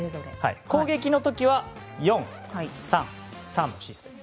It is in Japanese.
攻撃の時は４−３−３のシステム。